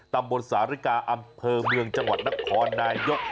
ตำบลสาริกาอำเภอเมืองจังหวัดนครนายก